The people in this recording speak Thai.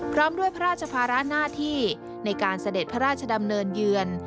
พร้อมด้วยพระราชภาระหน้าที่ในการเสด็จพระราชดำเนินเยือน